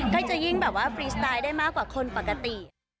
ก็จะยิ่งแบบว่าฟรีสไตล์ได้มากกว่าคนปกติ